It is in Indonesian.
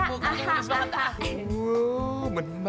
bukannya kincelong banget ya